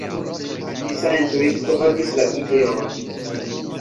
Svisa instruisto havis la ideon.